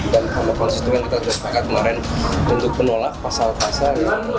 dan sama konsistumen yang kita tersetakat kemarin untuk penolak pasal pasal yang